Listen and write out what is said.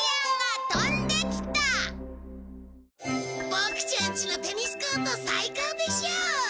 ボクちゃんちのテニスコート最高でしょ？